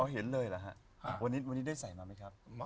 เห็นเลยเหรอฮะวันนี้ได้ใส่มาไหมครับ